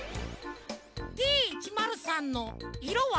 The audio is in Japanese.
Ｄ１０３のいろは？